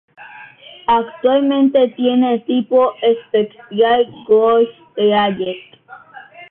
Actualmente tiene tipo espectral Wolf-Rayet.